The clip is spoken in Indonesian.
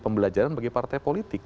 pembelajaran bagi partai politik